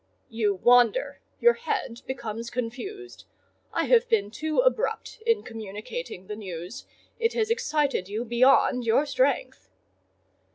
"You wander: your head becomes confused. I have been too abrupt in communicating the news; it has excited you beyond your strength."